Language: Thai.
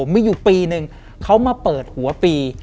มีอยู่ปีนึงเขามาเปิดหัวปี